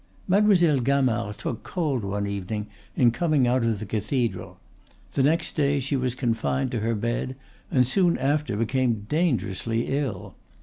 Mademoiselle Gamard took cold one evening in coming out of the cathedral; the next day she was confined to her bed, and soon after became dangerously ill.